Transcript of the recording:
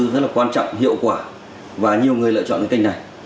rất là quan trọng hiệu quả và nhiều người lựa chọn cái kênh này